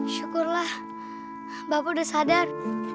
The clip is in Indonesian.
syukurlah bapak udah sadar